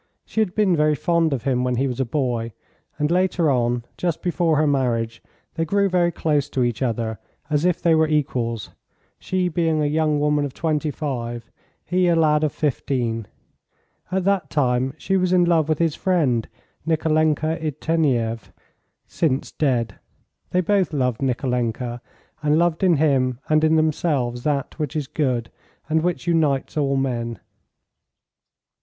She had been very fond of him when he was a boy, and later on, just before her marriage, they grew very close to each other, as if they were equals, she being a young woman of 25, he a lad of 15. At that time she was in love with his friend, Nikolenka Irtenieff, since dead. They both loved Nikolenka, and loved in him and in themselves that which is good, and which unites all men.